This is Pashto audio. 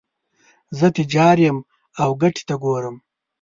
زه تجار یم او ګټې ته ګورم.